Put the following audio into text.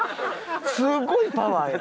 すごいパワーやん。